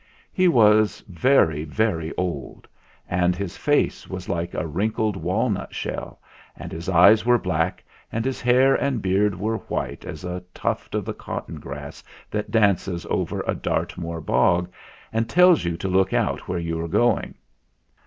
He was very, very old, and his face was like a wrinkled walnut shell, and his eyes were black, and his hair and beard were white as a tuft of the cotton grass that dances over a Dartmoor bog and tells you to look out where you are going.